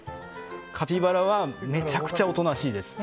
カピバラはめちゃくちゃおとなしいです。